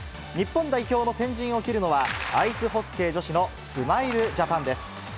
日本代表の先陣を切るのは、アイスホッケー女子のスマイルジャパンです。